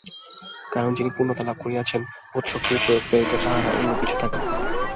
কারণ যিনি পূর্ণতা লাভ করিয়াছেন, বোধশক্তির প্রয়োগ ব্যতীত তাঁহার অন্য কিছু থাকে না।